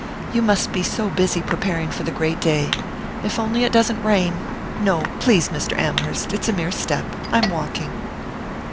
"You must be so busy preparing for the great day...if only it doesn't rain!... No, please, Mr. Amherst!... It's a mere step I'm walking...."